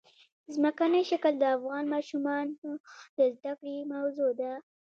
ځمکنی شکل د افغان ماشومانو د زده کړې موضوع ده.